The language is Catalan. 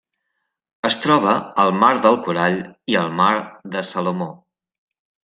Es troba al Mar del Corall i el Mar de Salomó.